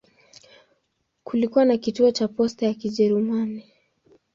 Kulikuwa na kituo cha posta ya Kijerumani.